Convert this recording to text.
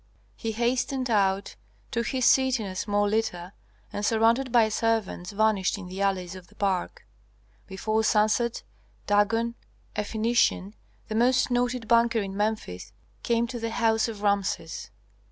He hastened out, took his seat in a small litter, and surrounded by servants vanished in the alleys of the park. Before sunset Dagon, a Phœnician, the most noted banker in Memphis, came to the house of Rameses.